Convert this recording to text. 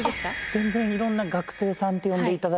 全然いろんな学生さんって呼んで頂いてもいいですし。